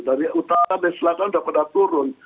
dari utara dari selatan sudah pada turun